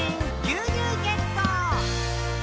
「牛乳ゲット！」